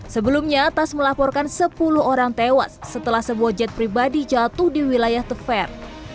sebelumnya tass melaporkan sepuluh orang tewas setelah sebuah jet pribadi jatuh di wilayah tver